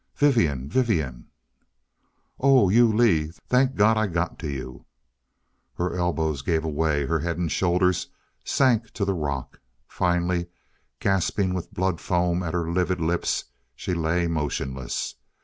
"Vivian Vivian " "Oh you, Lee? Thank Gawd I got to you " Her elbows gave way; her head and shoulders sank to the rock. Faintly gasping, with blood foam at her livid lips, she lay motionless.